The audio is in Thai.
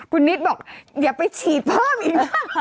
คุณนิดบอกอย่าไปฉีดเพิ่มอีกนะ